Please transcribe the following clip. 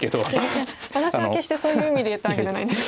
いや私は決してそういう意味で言ったんじゃないです。